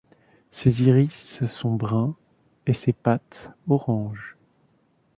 Ses iris sont bruns et ses pattes orange.